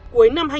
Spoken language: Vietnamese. cuối năm hai nghìn